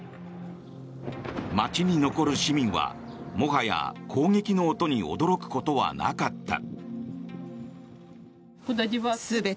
街に残る市民は、もはや攻撃の音に驚くことはなかった。